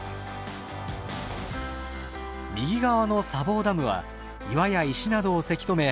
右側の砂防ダムは岩や石などをせき止め